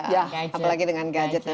ya apalagi dengan gadget